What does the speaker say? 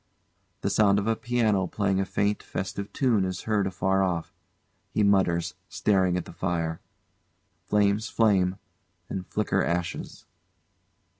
[The sound of a piano playing a faint festive tune is heard afar off. He mutters, staring at the fire.] [Flames flame, and flicker ashes.